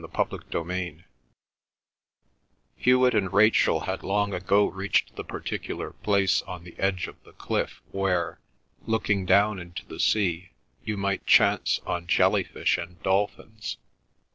CHAPTER XVI Hewet and Rachel had long ago reached the particular place on the edge of the cliff where, looking down into the sea, you might chance on jelly fish and dolphins.